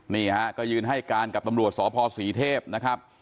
นี่ฮะก็ยืนให้การกับตำรวจสพศรีเทพนะครับ